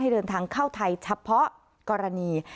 เดินทางเข้าไทยเฉพาะกรณี